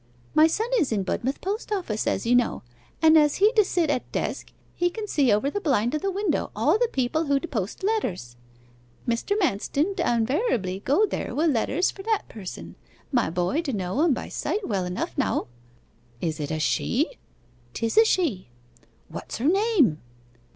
My son is in Budmouth Post Office, as you know, and as he d' sit at desk he can see over the blind of the window all the people who d' post letters. Mr. Manston d' unvariably go there wi' letters for that person; my boy d' know 'em by sight well enough now.' 'Is it a she?' ''Tis a she.' 'What's her name?